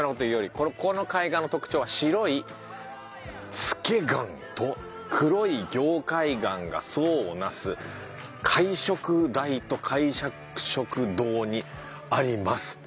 「ここの海岸の特徴は白い頁岩と黒い凝灰岩が層を成す海台と海洞にあります」